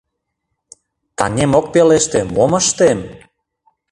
Таҥем ок пелеште, мом ыштем?